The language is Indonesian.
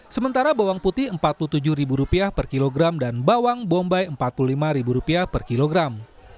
sementara bawang putih rp empat puluh tujuh per kilogram dan bawang bombay rp empat puluh lima per kilogram